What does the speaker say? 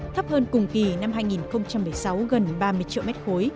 thấp hơn cùng kỳ năm hai nghìn một mươi sáu gần ba mươi triệu m ba